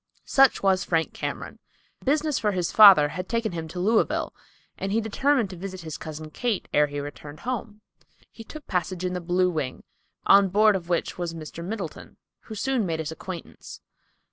Such was Frank Cameron. Business for his father had taken him to Louisville, and he determined to visit his cousin Kate ere he returned home. He took passage in the Blue Wing, on board of which was Mr. Middleton, who soon made his acquaintance.